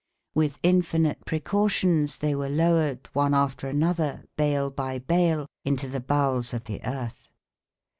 With infinite precautions they were lowered one after another, bale by bale, into the bowels of the earth.